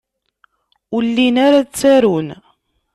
Ur llin ara ttarun.